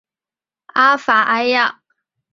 阿法埃娅。